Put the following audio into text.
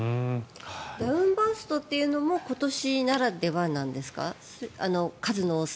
ダウンバーストというのも今年ならではなんですか？